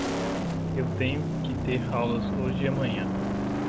Eu tenho que ter aulas hoje e amanhã.